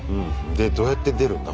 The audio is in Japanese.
でどうやって出るんだ？